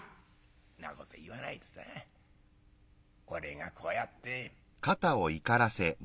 「んなこと言わないでさ俺がこうやって」。